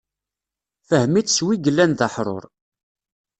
Fehm-itt s wi illan d aḥrur.